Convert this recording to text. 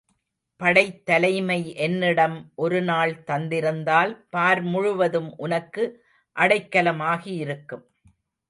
படைத் தலைமை என்னிடம் ஒரு நாள் தந்திருந்தால் பார் முழுவதும் உனக்கு அடைக்கலம் ஆகியிருக்கும்.